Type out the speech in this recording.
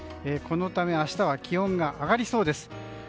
このため、明日は気温が上がりそうです。